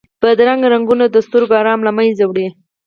بدرنګه رنګونه د سترګو آرام له منځه وړي